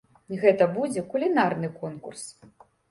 Гэта будзе кулінарны конкурс.